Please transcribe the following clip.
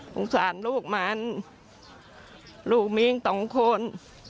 สงสารลูกมันลูกมีสองคน